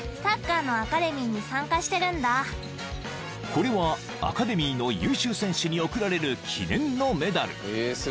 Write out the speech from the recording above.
［これはアカデミーの優秀選手に贈られる記念のメダル］